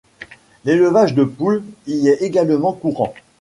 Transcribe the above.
L'élevage de poules y est également courant.